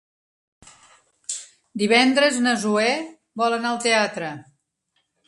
Divendres na Zoè vol anar al teatre.